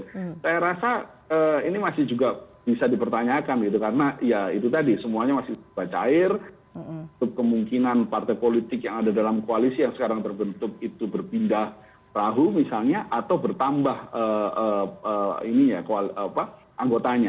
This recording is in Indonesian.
saya rasa ini masih juga bisa dipertanyakan gitu karena ya itu tadi semuanya masih cair kemungkinan partai politik yang ada dalam koalisi yang sekarang terbentuk itu berpindah perahu misalnya atau bertambah anggotanya